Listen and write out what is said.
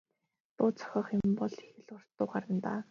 Дуу зохиох юм бол их л урт дуу гарна даа.